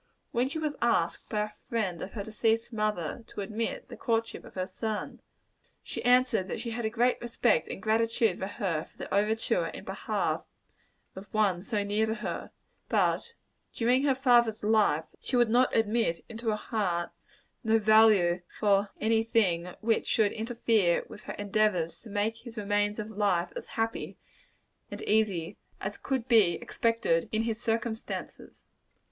When she was asked by a friend of her deceased mother to admit the courtship of her son, she answered that she had a great respect and gratitude to her for the overture in behalf of one so near to her; but that during her father's life, she would admit into her heart no value for any thing which should interfere with her endeavors to make his remains of life as happy and easy as could be expected in his circumstances.